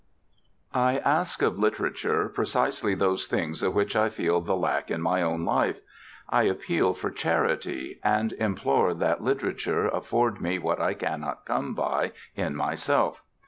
I ask of literature precisely those things of which I feel the lack in my own life. I appeal for charity, and implore that literature afford me what I cannot come by in myself....